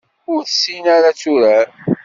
Ur tessin ara ad turar.